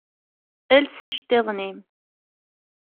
Els iceṭṭiḍen-im!